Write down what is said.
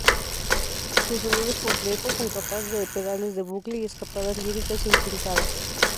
Su sonido es complejo, con capas de pedales de bucle y escapadas líricas intrincadas.